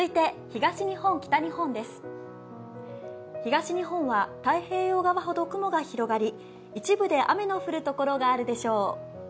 東日本は太平洋側ほど雲が広がり一部で雨の降る所があるでしょう。